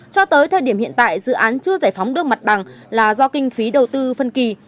cho tới thời điểm hiện tại dự án chưa giải phóng được mặt bằng là do kinh phí đầu tư phân kỳ